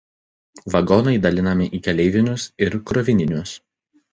Vagonai dalinami į keleivinius ir krovininius.